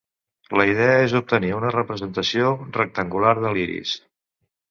La idea és obtenir una representació rectangular de l'iris.